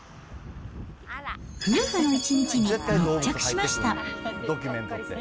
夫婦の一日に密着しました。